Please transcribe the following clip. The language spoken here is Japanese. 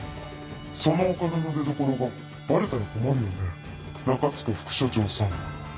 そのお金の出どころがバレたら困るよね中塚副署長さん。